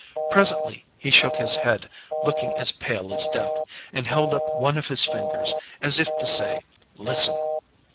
Presently he shook his head, looking as pale as death, and held up one of his fingers, as if to say, 'Listen!'